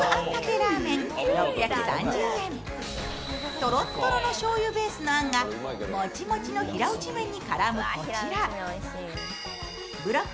とろっとろのしょう油ベースのあんが、もちもちの平打ち麺に絡むこちら。